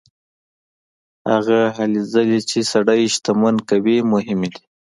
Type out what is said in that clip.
هغه هلې ځلې چې سړی شتمن کوي مهمې دي.